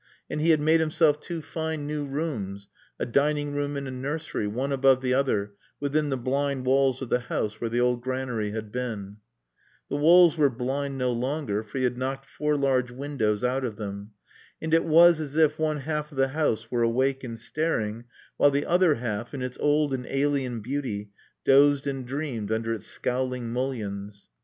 And he had made himself two fine new rooms, a dining room and a nursery, one above the other, within the blind walls of the house where the old granary had been. The walls were blind no longer, for he had knocked four large windows out of them. And it was as if one half of the house were awake and staring while the other half, in its old and alien beauty, dozed and dreamed under its scowling mullions.